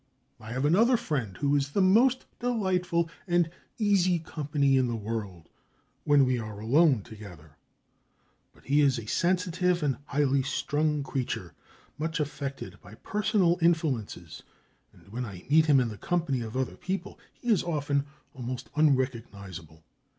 I have another friend who is the most delightful and easy company in the world when we are, alone together; but he is a sensitive and highly strung creature, much affected by personal influences, and when I meet him in the company of other people he is often almost unrecognisable.